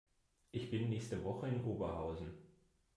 Ich bin nächste Woche in Oberhausen